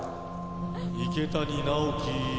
池谷直樹